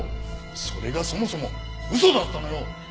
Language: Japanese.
それがそもそも嘘だったのよ！